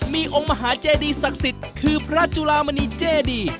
มีองค์มหาเจดีศักดิ์สิทธิ์คือพระจุลามณีเจดี